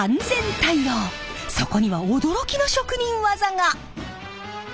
そこには驚きの職人技が！